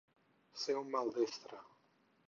Ser un maldestre.